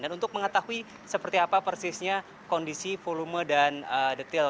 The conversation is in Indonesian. dan untuk mengetahui seperti apa persisnya kondisi volume dan detail